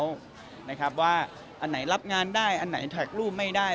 ว่าอันไหนรับงานได้อันไหนถ่ายรูปไม่ได้